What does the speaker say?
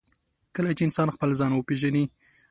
کله چې انسان خپل ځان وپېژني.